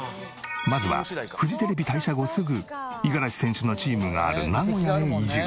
まずはフジテレビ退社後すぐ五十嵐選手のチームがある名古屋へ移住。